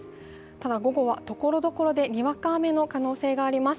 ただ午後はところどころでにわか雨の可能性があります。